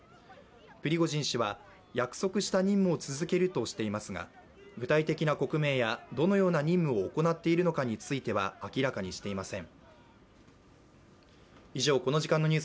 プリゴジン氏は約束した任務を続けるとしていますが具体的な国名やどのような任務を行っているかについては明らかにしていません。